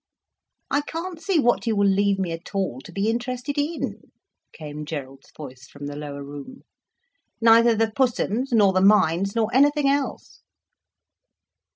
"I can't see what you will leave me at all, to be interested in," came Gerald's voice from the lower room. "Neither the Pussums, nor the mines, nor anything else."